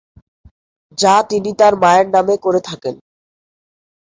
যা তিনি তার মায়ের নামে করে থাকেন।